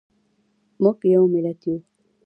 موږ یو ملت یو.